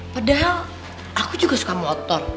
padahal aku juga suka motor